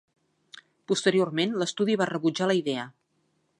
Posteriorment, l'estudi va rebutjar la idea.